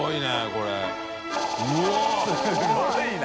すごいな。